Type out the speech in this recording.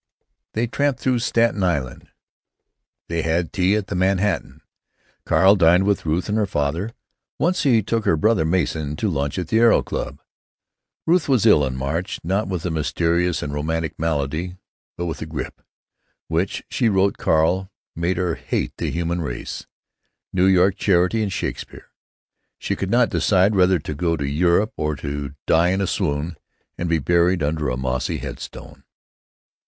They tramped through Staten Island; they had tea at the Manhattan. Carl dined with Ruth and her father; once he took her brother, Mason, to lunch at the Aero Club. Ruth was ill in March; not with a mysterious and romantic malady, but with grippe, which, she wrote Carl, made her hate the human race, New York, charity, and Shakespeare. She could not decide whether to go to Europe, or to die in a swoon and be buried under a mossy headstone.